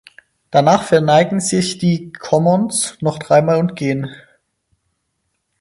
Danach verneigen sich die Commons nochmal dreimal und gehen.